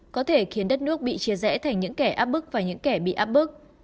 có thể khiến đất nước bị chia rẽ thành những kẻ áp bức và những kẻ bị áp bức